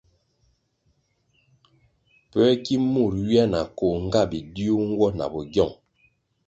Puē gi mur ywia na koh nga bidiu nwo na bogyong?